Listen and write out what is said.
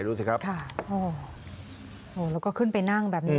โอ้โหแล้วก็ขึ้นไปนั่งแบบนี้